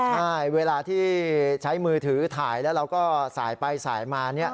ใช่เวลาที่ใช้มือถือถ่ายแล้วเราก็สายไปสายมา